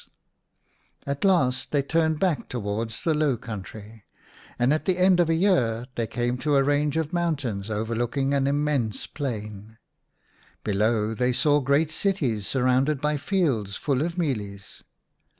9 Setuli ; i At last they turned back towards the low country, and at the end of a year they came to a range of mountains overlooking an immense plain. Below they saw great cities surrounded by fields full of mealies.